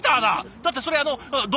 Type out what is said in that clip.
だってそれあの丼？